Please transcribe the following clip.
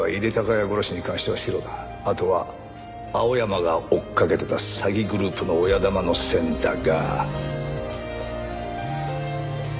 あとは青山が追っかけてた詐欺グループの親玉の線だが。